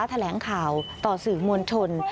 แถลงข่าวต่อสื่อมวลชน